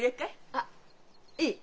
あっいい。